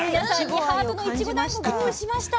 ハートのいちごだんごご用意しました。